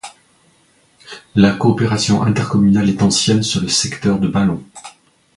La coopération intercommunale est ancienne sur le secteur de Ballon.